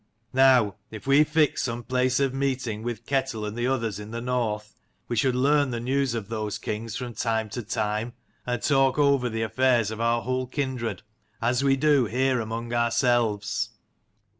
Now if we fixed some place of meeting with Ketel and the others in the north, we should learn the news of those kings from time to time, and talk 75 over the affairs of our whole kindred, as we do here among ourselves."